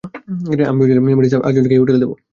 আমি ভেবেছিলাম মেভিস আর জনিকে এই হোটেল দিবো।